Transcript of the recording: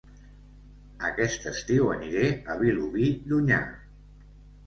Aquest estiu aniré a Vilobí d'Onyar